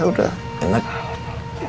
tuh udah sehat lagi